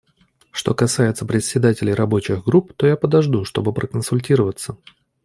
Что касается председателей рабочих групп, то я подожду, чтобы проконсультироваться.